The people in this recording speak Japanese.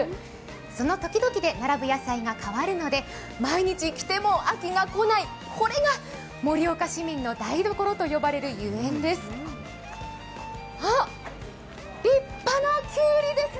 その時々で並ぶ野菜が変わるので毎日来ても飽きがこない、これが盛岡市民の台所といわれるゆえんです。